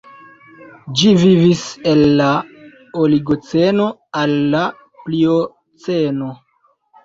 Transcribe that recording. Ĝi vivis el la Oligoceno al la Plioceno.